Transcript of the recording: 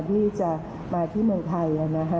ที่จะมาที่เมืองไทย